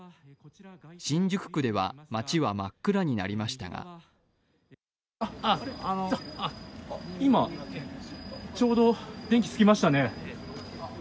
新宿区では街は真っ暗になりましたが今、ちょうど電気つきましたね。